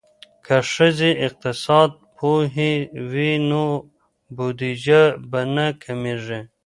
که ښځې اقتصاد پوهې وي نو بودیجه به نه کمیږي.